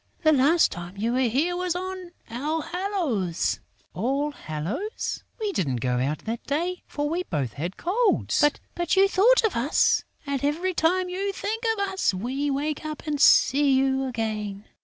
The last time you were here was on All hallows...." "All hallows? We didn't go out that day, for we both had colds!" "But you thought of us! And, every time you think of us, we wake up and see you again."